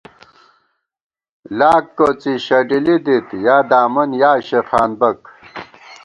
لاک کوڅی شڈِلِی دِت یادامن یا شېخانبَک